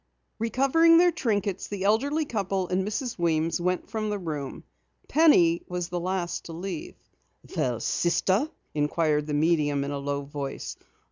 Recovering their trinkets, the elderly couple and Mrs. Weems went from the room. Penny was the last to leave. "Well, sister?" inquired the medium in a low voice.